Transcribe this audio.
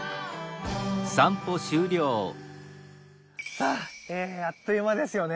さああっという間ですよね。